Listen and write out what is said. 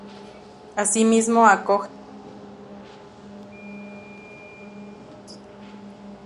Asimismo, acoge una vez al año una exhibición de globos aerostáticos.